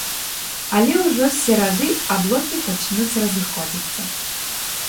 Але ўжо з серады аблокі пачнуць разыходзіцца.